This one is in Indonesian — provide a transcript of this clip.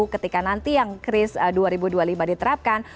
ketika nanti yang kris dua ribu dua puluh lima diterapkan